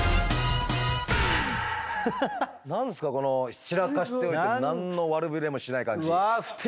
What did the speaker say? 何すかこの散らかしておいて何の悪びれもしない感じ。